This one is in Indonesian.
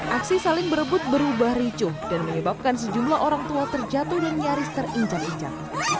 aksi saling berebut berubah ricuh dan menyebabkan sejumlah orang tua terjatuh dan nyaris terinjak injak